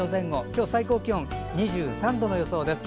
今日、最高気温２３度の予想です。